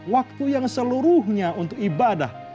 waktu yang seluruhnya untuk ibadah